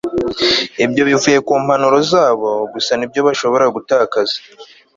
ibyo bivuye kumpanuro zabo, gusa nibyo bashobora gutakaza